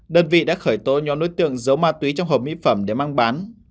đơn vị đã khởi tố nhóm đối tượng giấu ma túy trong hộp mỹ phẩm để mang bán